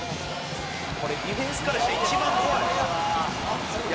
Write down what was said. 「これディフェンスからしたら一番怖い」